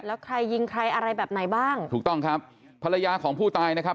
แล้วใครยิงใครอะไรแบบไหนบ้างถูกต้องครับภรรยาของผู้ตายนะครับ